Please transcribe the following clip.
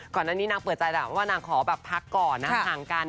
ก่อนหน้านี้นางเปิดใจแล้วว่านางขอแบบพักก่อนนะห่างกัน